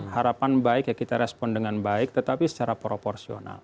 harapan baik ya kita respon dengan baik tetapi secara proporsional